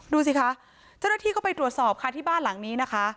ดูสิคะเจ้าหน้าที่ก็ไปตรวจสอบค่ะที่บ้านหลังนี้นะคะ